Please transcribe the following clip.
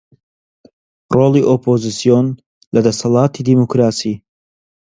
ڕۆڵی ئۆپۆزسیۆن لە دەسەڵاتی دیموکراسی